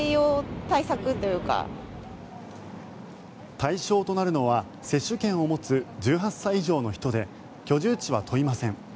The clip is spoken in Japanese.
対象となるのは接種券を持つ１８歳以上の人で居住地は問いません。